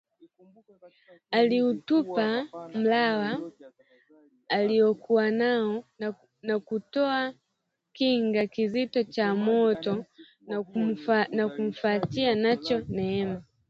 Aliutupa mlawa aliokuwa nao na kutoa kinga kizito cha moto na kumfuatia nacho Neema